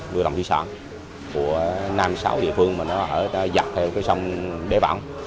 nuôi đồng thủy sản của năm sáu địa phương mà nó ở dọc theo sông đế bảo